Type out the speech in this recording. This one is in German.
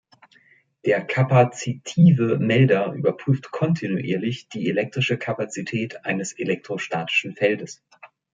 Der kapazitive Melder überprüft kontinuierlich die elektrische Kapazität eines elektrostatischen Feldes.